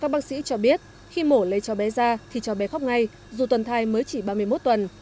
các bác sĩ cho biết khi mổ lấy cho bé ra thì cháu bé khóc ngay dù tuần thai mới chỉ ba mươi một tuần